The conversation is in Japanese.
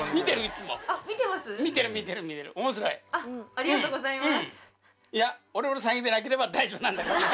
ありがとうございます。